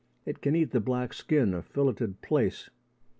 It can eat the black skin of filleted plaice.